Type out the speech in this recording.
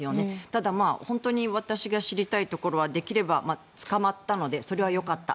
ただ本当に私が知りたいところは捕まったのでそこはよかった。